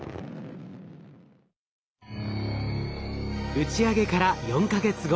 打ち上げから４か月後。